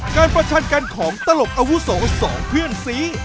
ประชันกันของตลกอาวุโสสองเพื่อนซี